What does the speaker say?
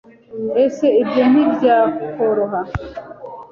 ese ibyo ntibyakoroha